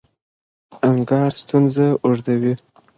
انکار ستونزه اوږدوي.